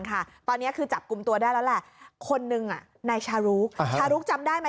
ค่ะตอนนี้คือจับกลุ่มตัวคนนึงนายชาลุ๊กชาลุ๊กจำได้ไหม